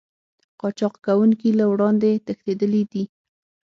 قاچاق کوونکي له وړاندې تښتېدلي دي